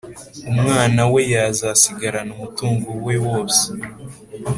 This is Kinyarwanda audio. umwana we yazasigarana umutungo we wose.